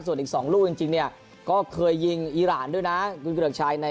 ส่วนอีก๒รูปจริงก็เคยยิงอีรานด้วยนะคุณเกรือกชาย